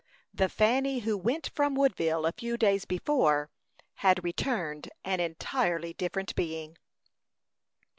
The Fanny who went from Woodville a few days before had returned an entirely different being.